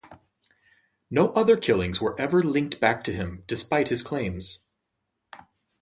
No other killings were ever linked back to him despite his claims.